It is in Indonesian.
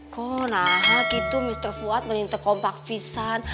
kok nah gitu mister fuad mending terkompak pisan